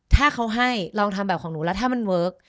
ถ้าเขาให้ลองทำแบบของหนูแล้วถ้ามันเวิร์ค